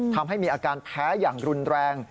ทำให้มีอาการแพ้อย่างรุนแรง